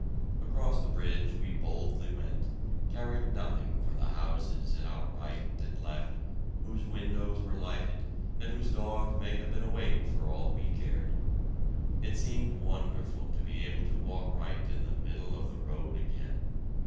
Across the bridge we boldly went, caring nothing for the houses at our right and left, whose windows were lighted and whose dogs may have been awake for all we cared. It seemed wonderful to be able to walk right in the middle of the road again!